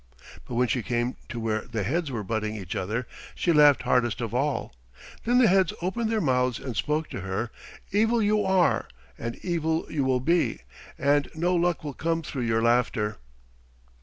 But when she came to where the heads were butting each other, she laughed hardest of all. Then the heads opened their mouths and spoke to her. "Evil you are, and evil you will be, and no luck will come through your laughter."